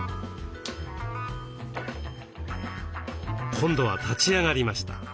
今度は立ち上がりました。